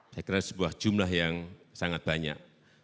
saya kira sebuah jumlah yang sangat banyak